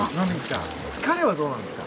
疲れはどうなんですか？